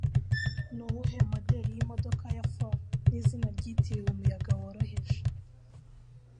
Nuwuhe Moderi Yimodoka ya Ford Nizina Ryitiriwe Umuyaga woroheje